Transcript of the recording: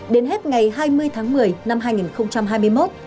đến hết ngày hai mươi tháng một mươi năm hai nghìn hai mươi một